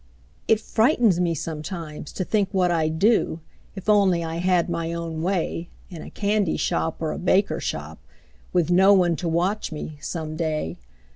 It frightens me sometimes, to think what I'd do, If only I had my own way In a candy shop or a baker shop, Witn no one to watch me, some day.